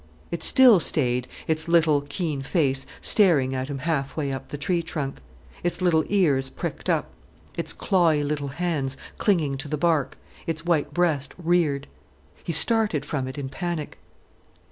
It still stayed, its little, keen face staring at him halfway up the tree trunk, its little ears pricked up, its clawey little hands clinging to the bark, its white breast reared. He started from it in panic.